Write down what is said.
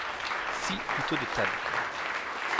six couteaux de table.